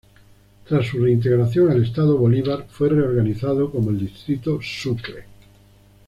Tras su reintegración al Estado Bolívar, fue reorganizado como el distrito Sucre.